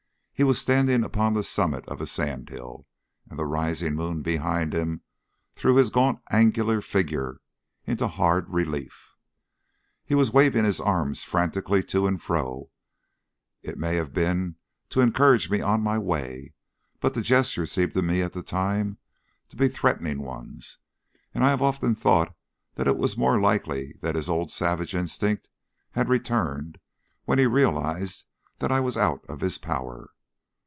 He was standing upon the summit of a sand hill, and the rising moon behind him threw his gaunt angular figure into hard relief. He was waving his arms frantically to and fro; it may have been to encourage me on my way, but the gestures seemed to me at the time to be threatening ones, and I have often thought that it was more likely that his old savage instinct had returned when he realised that I was out of his power.